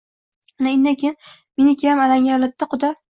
Аna, innakeyin menikiyam alanga oladi-da, quda!